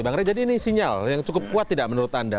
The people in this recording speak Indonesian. bang ray jadi ini sinyal yang cukup kuat tidak menurut anda